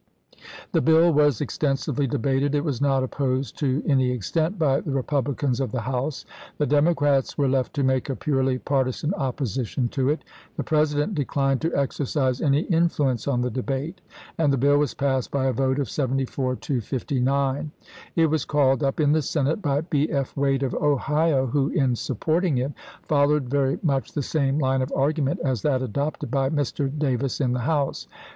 The bill was extensively debated. It was not opposed to any extent by the Republicans of the House ; the Democrats were left to make a purely partisan opposition to it. The President declined to exercise any influence on the debate, and the bill was passed by a vote of seventy four to fif ty nine. It was called up in the Senate by B. F. Juiyi,i864 Wade of Ohio, who, in supporting it, followed very much the same line of argument as that adopted by Mr. Davis in the House.